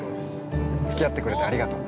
付き合ってくれてありがとう。